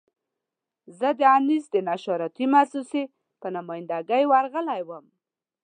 زه د انیس د نشراتي مؤسسې په نماینده ګي ورغلی وم.